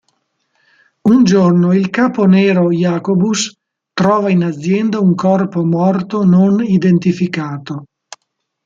Un giorno il capo nero, Jacobus, trova in azienda un corpo morto non identificato.